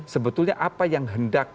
sebetulnya apa yang hendak